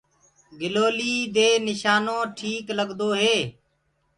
گِلوليٚ دي نِشانو ٽيڪ لگدو هي۔